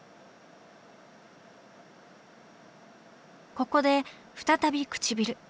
ここで再び唇。